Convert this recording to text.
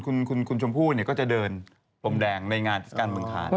แปลกส่วนคุณชมพู่เนี่ยก็จะเดินผมแดงในงานการเมืองภาค